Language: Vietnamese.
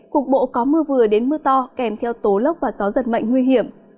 cục bộ có mưa vừa đến mưa to kèm theo tố lốc và gió giật mạnh nguy hiểm